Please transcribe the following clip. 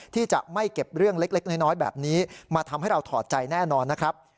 ที่จะไม่เก็บเรื่องเล็กน้อยแบบนี้มาทำให้เราถอดใจแน่นอนนะครับ